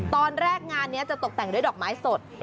ตอนแรกงานนี้จะตกแต่งด้วยดอกไม้สด